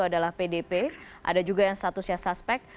adalah pdp ada juga yang statusnya suspek